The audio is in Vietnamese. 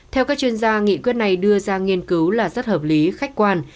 theo các chuyên gia nghị quyết này đưa ra nghiên cứu là rất hợp lý khách quan